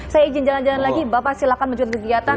saya izin jalan jalan lagi bapak silakan menuju kegiatan